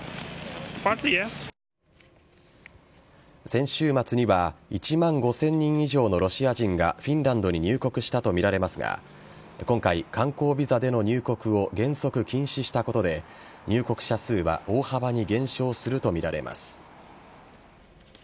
先週末には１万５０００人以上のロシア人がフィンランドに入国したとみられますが今回、観光ビザでの入国を原則禁止したことで入国者数は大幅に減少するとみられます。